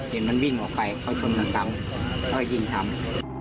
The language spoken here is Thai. เห็นมันวิ่งออกไปเข้าชนหนึ่งซ้ำแล้วยิงซ้ำ